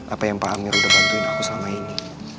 apa yang pak amir udah bantuin aku selama ini